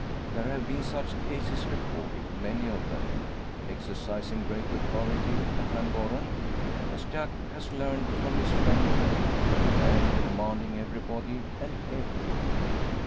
There have been such cases recorded many of them. Exercising great authority at Llangorren as Jack has learned from his friend Joe there commanding everybody and everything!